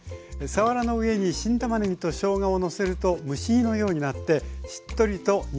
さわらの上に新たまねぎとしょうがをのせると蒸し煮のようになってしっとりと煮上がります。